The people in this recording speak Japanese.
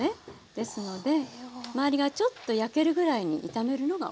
ですので周りがちょっと焼けるぐらいに炒めるのがおいしさのコツかな。